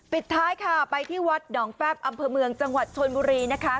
ปิดท้ายค่ะไปที่วัดหนองแฟบอำเภอเมืองจังหวัดชนบุรีนะคะ